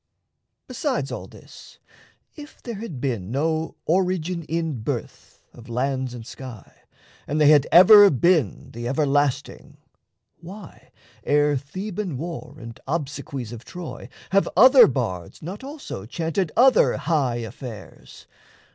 Besides all this, If there had been no origin in birth Of lands and sky, and they had ever been The everlasting, why, ere Theban war And obsequies of Troy, have other bards Not also chanted other high affairs?